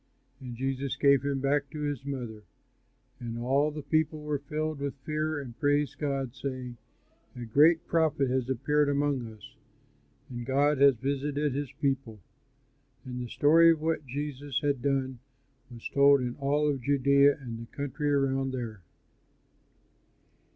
And Jesus gave him back to his mother. And all the people were filled with fear and praised God, saying, "A great prophet has appeared among us, and God has visited his people." And the story of what Jesus had done was told in all of Judea and the country around there.